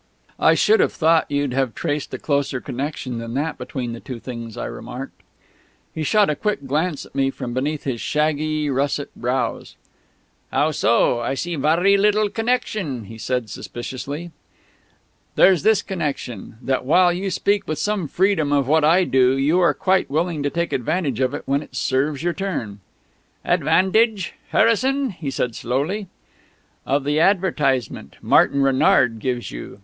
"I should have thought you'd have traced a closer connection than that between the two things," I remarked. He shot a quick glance at me from beneath his shaggy russet brows. "How so? I see varry little connection," he said suspiciously. "There's this connection that while you speak with some freedom of what I do, you are quite willing to take advantage of it when it serves your turn." "'Advantage,' Harrison?" he said slowly. "Of the advertisement Martin Renard gives you.